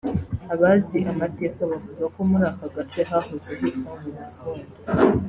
Abazi amateka bavuga ko muri aka gace hahoze hitwa mu Bufundu